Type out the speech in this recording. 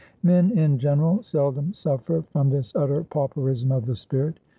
Men in general seldom suffer from this utter pauperism of the spirit.